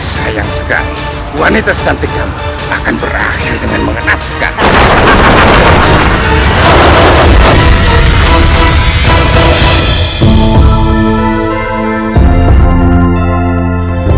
sayang sekali wanita cantik kamu akan berakhir dengan mengenal sekarang